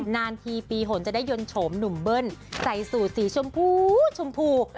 นานทีปีหนจะได้ยนต์โฉมหนุ่มเบิ้ลใส่สูตรสีชมพูชมพู